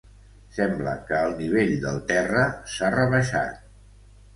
Sembla que el nivell del terra s'ha rebaixat.